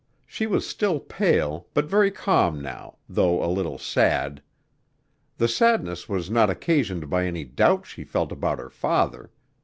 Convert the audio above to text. She was still pale, but very calm now, though a little sad. The sadness was not occasioned by any doubt she felt about her father.